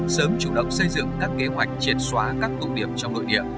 sớm chủ động xây dựng các kế hoạch triển xóa các công điểm trong nội địa